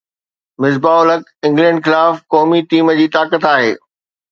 Misbah ul Haq England خلاف قومي team جي طاقت آهي